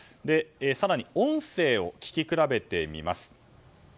更に音声を聞き比べてみます。